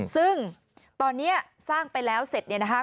ซึ่งตอนนี้สร้างไปแล้วเสร็จเนี่ยนะคะ